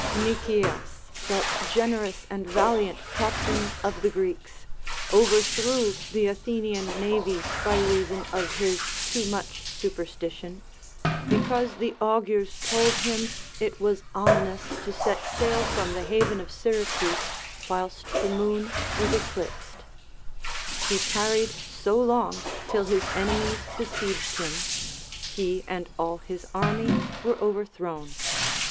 Nicias, that generous and valiant captain of the Greeks, overthrew the Athenian navy, by reason of his too much superstition, because the augurs told him it was ominous to set sail from the haven of Syracuse whilst the moon was eclipsed; he tarried so long till his enemies besieged him, he and all his army were overthrown.